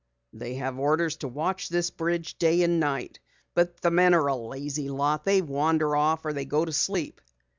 "They have orders to watch this bridge day and night. But the men are a lazy lot. They wander off or they go to sleep."